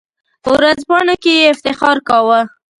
په ورځپاڼو کې یې افتخار کاوه.